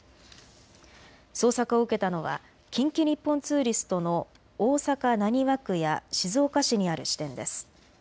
捜索を受けたのは近畿日本ツーリストの大阪浪速区や静岡市にある支店です。